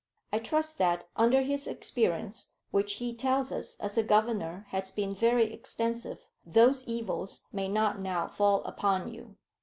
I trust that, under his experience, which he tells us as a governor has been very extensive, those evils may not now fall upon you.